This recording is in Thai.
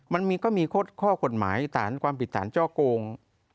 มันก็มีข้อคุดหมายหารความผิดฐานเจ้าโกง